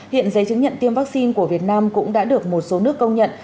hiện giấy chứng nhận tiêm vaccine của việt nam cũng đã được một số nước công nhận